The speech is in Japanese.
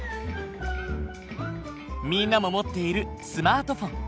みんなも持っているスマートフォン。